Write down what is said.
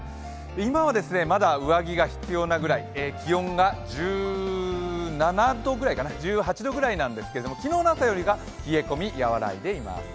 今はまだ上着が必要なぐらい、気温が１８度ぐらいなんですけれども、昨日の朝よりか冷え込み和らいでいます。